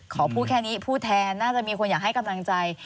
ขอพูดแค่นี้พูดแทนน่าจะมีคนอยากให้กำลังใจ